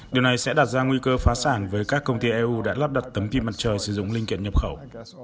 điều này sẽ đặt ra nguy cơ phá sản với các công ty eu đã lắp đặt tấm pin mặt trời sử dụng linh kiện nhập khẩu